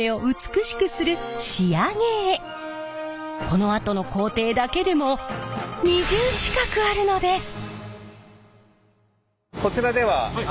このあとの工程だけでも２０近くあるのです。